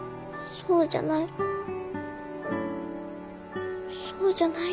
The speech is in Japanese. そうじゃないから。